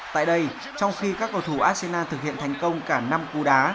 tại đây trong khi các cầu thủ arsenal thực hiện thành công cả năm cu đá